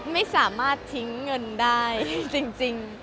ไม่สามารถทิ้งเงินได้จริง